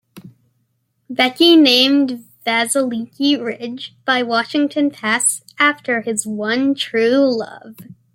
Beckey named Vasiliki Ridge, by Washington Pass, after his one true love.